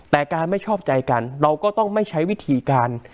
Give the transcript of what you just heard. แต่การไม่ชอบใจกันเราก็ต้องไม่ใช้วิธีการ